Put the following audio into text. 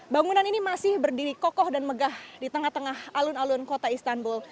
bangunan ini masih berdiri kokoh dan megah di tengah tengah alun alun kota istanbul